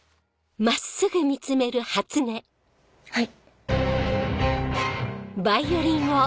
はい。